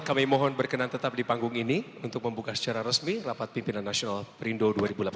kami berhasil waktu hari ini untuk membuka secara resmi rapat pimpinan nasional perindu dua ribu delapan belas